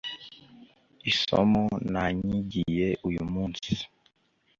isomo nanyigiye uyu munsi